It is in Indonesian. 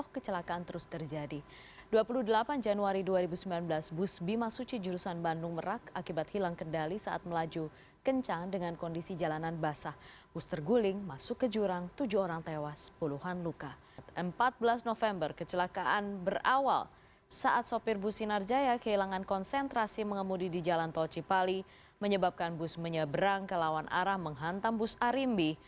kecelakaan jalan tol cipali di jalan tol cipali menyebabkan bus menyeberang ke lawan arah menghantam bus arimbi